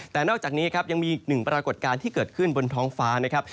แต่นอกจากนี้ยังมีหนึ่งปรากฏการณ์ที่เกิดขึ้นบนท้องฟ้า